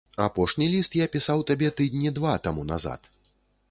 Апошні ліст я пісаў табе тыдні два таму назад.